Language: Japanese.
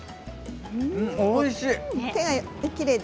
おいしい。